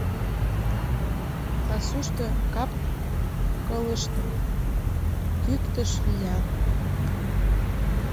Пасушто кап-кылыштым кӱктыш виян.